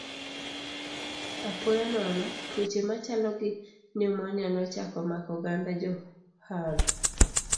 Apoya nono, tuoche machalo gi pneumonia nochako mako oganda Jo-Hun.